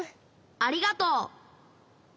ありがとう。